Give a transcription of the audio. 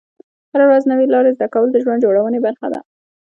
هره ورځ نوې لارې زده کول د ژوند جوړونې برخه ده.